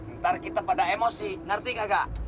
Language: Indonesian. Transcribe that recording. ntar kita pada emosi ngerti gak